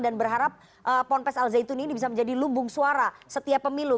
dan berharap ponpes alzeitun ini bisa menjadi lumbung suara setiap pemilu